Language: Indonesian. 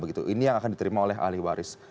ini yang akan diterima oleh ahli waris